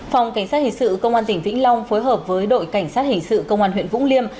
phòng cảnh sát hình sự công an tỉnh vĩnh long phối hợp với đội cảnh sát hình sự công an huyện vũng liêm